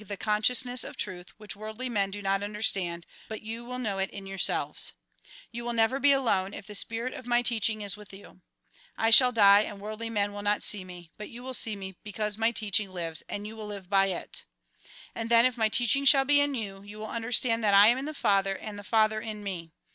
X iv. 4, 5. THE FAREWELL DISCOURSE 139 Jn. xiv. 18. 19. 20. 22. 23. sciousness of truth, which worldly men do not understand ; but you will know it in yourselves. You never will be alone, if the spirit of my teaching is with you. I shall die, and worldly men will not see me ; but you will see me, because my teaching lives and you will live by it. And then, if my teaching shall be in you, you will understand that I am in the Father and the Father in me.